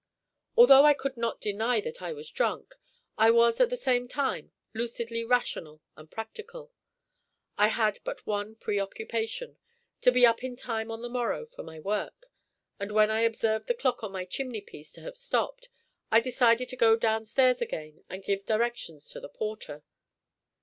Although I could not deny that I was drunk, I was at the same time lucidly rational and practical. I had but one preoccupation to be up in time on the morrow for my work; and when I observed the clock on my chimney piece to have stopped, I decided to go down stairs again and give directions to the porter.